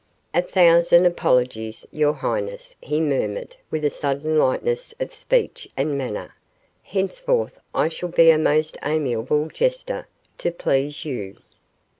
"A thousand apologies, your highness," he murmured, with a sudden lightness of speech and manner. "Henceforth I shall be a most amiable jester, to please you."